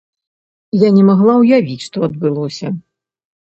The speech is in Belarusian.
Я не магла ўявіць, што адбылося.